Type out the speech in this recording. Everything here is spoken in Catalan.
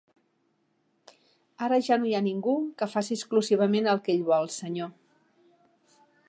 Ara ja no hi ha ningú que faci exclusivament el que ell vol, senyor.